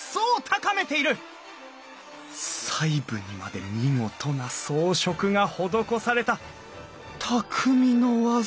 細部にまで見事な装飾が施されたたくみの技！